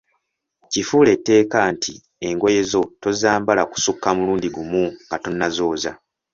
Kifuule tteeka nti engoye zo tozambala kusukka mulundi gumu nga tonnaba kuzooza.